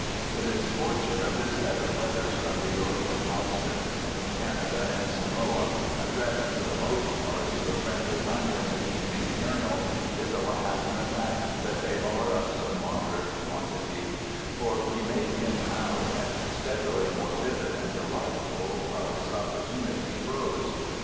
The misfortune of this set of letters from New York and Boston, from Canada and Samoa, addressed, for the most part, to a friendly London evening journal is, alas, in the fact that they are of so moderate a quantity; for we make him out as steadily more vivid and delightful while his opportunity grows.